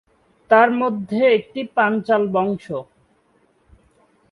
তাঁর মধ্যে একটি পাঞ্চালবংশ।